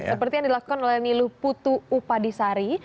seperti yang dilakukan oleh niluh putu upadisari